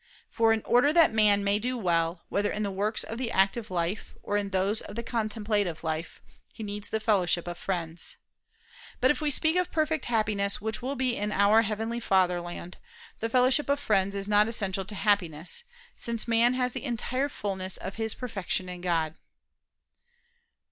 For in order that man may do well, whether in the works of the active life, or in those of the contemplative life, he needs the fellowship of friends. But if we speak of perfect Happiness which will be in our heavenly Fatherland, the fellowship of friends is not essential to Happiness; since man has the entire fulness of his perfection in God.